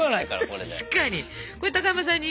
確かに。